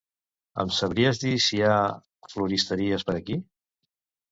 Em sabries dir si hi ha floristeries per aquí?